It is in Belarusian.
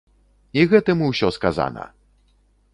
І гэтым усё сказана!